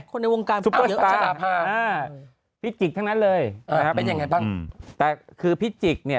คนในวงการเพื่อนชาวป้าอะพิจิกทั้งนั้นเลยอืมแต่คือพิจิกเนี่ย